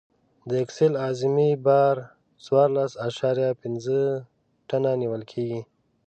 د اکسل اعظمي بار څوارلس اعشاریه پنځه ټنه نیول کیږي